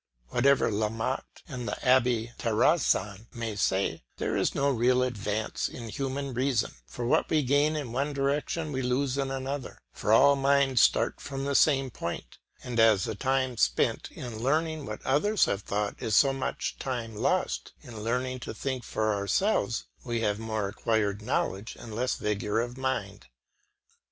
Whatever La Motte and the Abbe Terrasson may say, there is no real advance in human reason, for what we gain in one direction we lose in another; for all minds start from the same point, and as the time spent in learning what others have thought is so much time lost in learning to think for ourselves, we have more acquired knowledge and less vigour of mind.